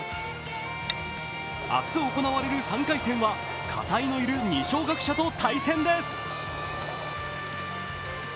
明日行われる３回戦は片井のいる二松学舎と対戦です。